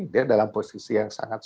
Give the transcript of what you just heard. dia dalam posisi yang sangat